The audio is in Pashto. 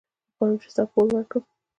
غواړم چې ستا پور ورکړم.